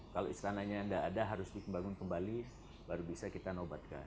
kalau istananya tidak ada harus dibangun kembali baru bisa kita nobatkan